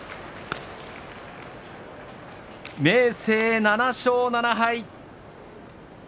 明生７勝７敗。